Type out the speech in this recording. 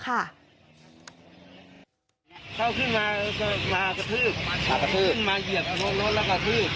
เขาขึ้นมามากระทืบขึ้นมาเหยียบรถแล้วกระทืบ